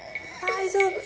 大丈夫。